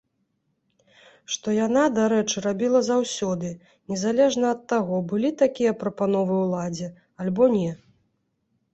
Што яна, дарэчы рабіла заўсёды, незалежна ад таго, былі такія прапановы ўладзе, альбо не.